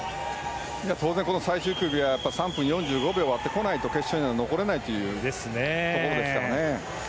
当然、この最終組は３分４５秒を割ってこないと決勝には残れないというところですからね。